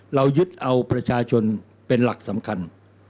เรายึดเอาประชาชนเป็นหลักสำคัญ